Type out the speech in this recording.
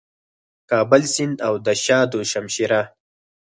کابل سیند او د شاه دو شمشېره